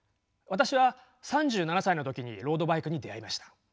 私は３７歳の時にロードバイクに出会いました。